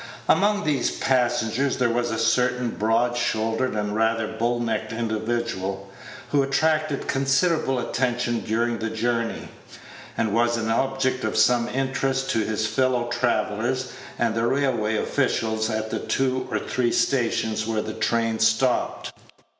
Among these passengers there was a certain broad shouldered and rather bull necked individual, who attracted considerable attention during the journey, and was an object of some interest to his fellow travellers and the railway officials at the two or three stations where the train stopped.